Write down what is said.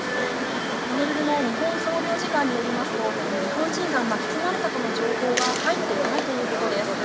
ホノルルの日本総領事館によりますと、日本人が巻き込まれたとの情報は入っていないということです。